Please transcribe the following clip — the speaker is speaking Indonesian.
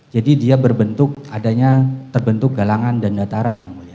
jadi dia berbentuk adanya terbentuk galangan dan dataran yang mulia